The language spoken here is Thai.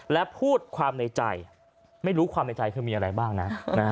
และพูดความในใจไม่รู้ความในใจคือมีอะไรบ้างนะ